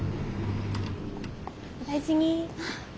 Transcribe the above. お大事に。